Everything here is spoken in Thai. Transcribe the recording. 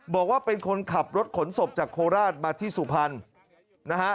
บอกว่าเป็นคนขับรถขนศพจากโคราชมาที่สุพรรณนะฮะ